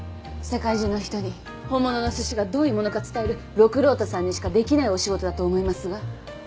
世界中の人に本物のすしがどういうものか伝える六郎太さんにしかできないお仕事だと思いますが。